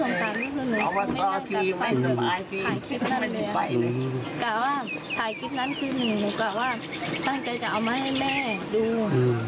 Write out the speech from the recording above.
กลับว่าถ่ายคลิปนั้นคือหนูกลับว่าตั้งใจจะเอามาให้แม่ดู